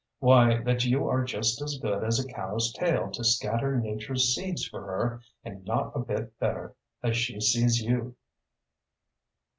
Why, that you are just as good as a cow’s tail to scatter Nature’s seeds for her, and not a bit better, as she sees you.